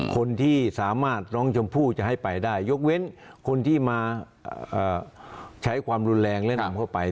คนที่สามารถน้องชมพู่จะให้ไปได้ยกเว้นคนที่มาใช้ความรุนแรงและนำเข้าไป